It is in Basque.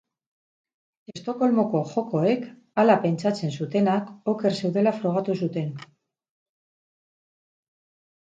Estokolmoko jokoek, hala pentsatzen zutenak, oker zeudela frogatu zuten.